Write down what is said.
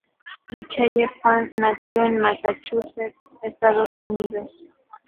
Michelle Phan nació en Massachusetts, Estados Unidos.